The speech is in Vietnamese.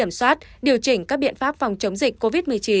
kiểm soát điều chỉnh các biện pháp phòng chống dịch covid một mươi chín